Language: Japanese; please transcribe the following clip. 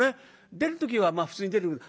出る時はまあ普通に出てくる。